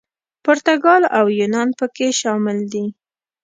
پرتګال او یونان پکې شامل دي.